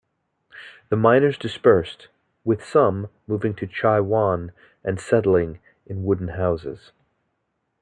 The miners dispersed, with some moving to Chai Wan and settling in wooden houses.